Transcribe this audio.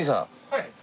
はい。